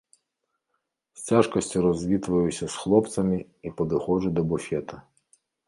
З цяжкасцю развітваюся з хлопцамі і падыходжу да буфета.